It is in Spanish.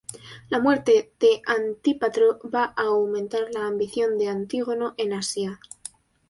La muerte de Antípatro va a aumentar la ambición de Antígono en Asia.